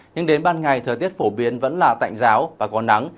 nhưng đến ban ngày thời tiết phổ biến vẫn là tạnh giáo và có nắng